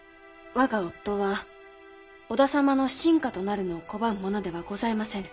我が夫は織田様の臣下となるのを拒むものではございませぬ。